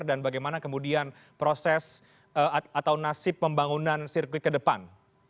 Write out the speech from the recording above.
dan bagaimana kemudian proses atau nasib pembangunan sirkuit ke depan